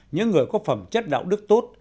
những người có phẩm chất đạo đức tốt